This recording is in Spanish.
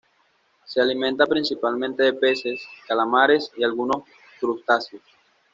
Se alimenta principalmente de peces, calamares y algunos crustáceos.